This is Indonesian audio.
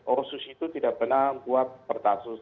otsus itu tidak pernah buat pertaksus